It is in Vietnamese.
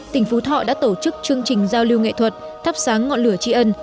tỉnh phú thọ đã tổ chức chương trình giao lưu nghệ thuật thắp sáng ngọn lửa tri ân